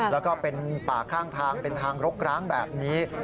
แล้วก็เป็นป่าข้างทางเป็นทางรกร้างแบบนี้